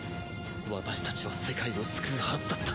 私たちは世界を救うはずだった。